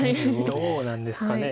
どうなんですかね。